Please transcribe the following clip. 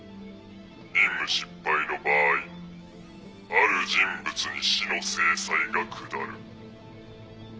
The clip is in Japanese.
任務失敗の場合ある人物に死の制裁が下る。